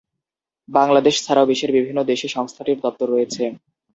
বাংলাদেশ ছাড়াও বিশ্বের বিভিন্ন দেশে সংস্থাটির দপ্তর রয়েছে।